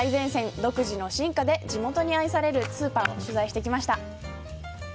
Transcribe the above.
独自の進化で地元に愛されるスーパーを取材してきました。